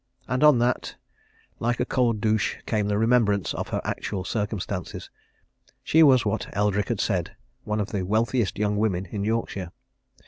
And on that, like a cold douche, came the remembrance of her actual circumstances she was what Eldrick had said, one of the wealthiest young women in Yorkshire.